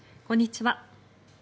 こんにちは。